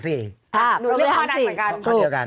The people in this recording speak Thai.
หนูเลือกข้อไหนเหมือนกัน